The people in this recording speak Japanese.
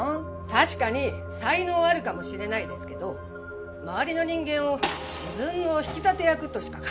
確かに才能はあるかもしれないですけど周りの人間を自分の引き立て役としか考えてなくって。